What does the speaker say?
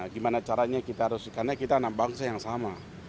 gimana caranya kita harus karena kita anak bangsa yang sama